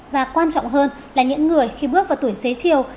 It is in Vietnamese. và quan trọng hơn là những người khi bước vào tuổi xế chiều